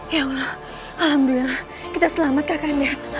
ya allah alhamdulillah kita selamat kakaknya